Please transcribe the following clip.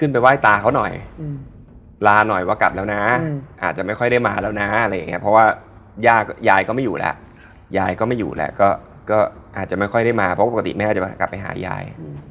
เพราะกลับน่าจะสิ่งบุรีหรืออะไรประมาณนั้น